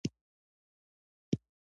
فعالیتونه یې د واکمنو په شتون کې پیل کړل.